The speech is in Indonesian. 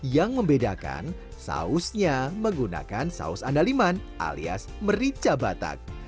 yang membedakan sausnya menggunakan saus andaliman alias merica batak